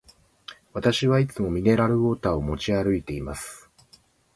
私はいつもミネラルウォーターを持ち歩いています。